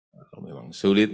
kalau memang sulit